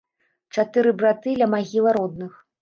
Чатыры браты ля магілы родных.